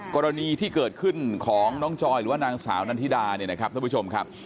กรณีที่เกิดขึ้นของน้องจอยหรือว่านางสาวนันทิดาเนี่ยนะครับท่านผู้ชมครับ